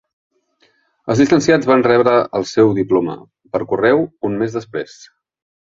Els llicenciats van rebre el seu diploma per correu un més després.